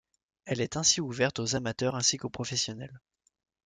Elle est ainsi ouverte aux amateurs ainsi qu'aux professionnels.